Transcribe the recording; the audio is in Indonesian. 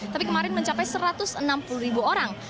tapi kemarin mencapai satu ratus enam puluh ribu orang